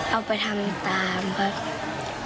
เอาไปทำตามครับ